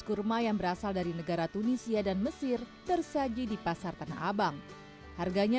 kurma yang berasal dari negara tunisia dan mesir tersaji di pasar tanah abang harganya